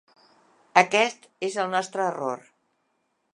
Aquest és el nostre error.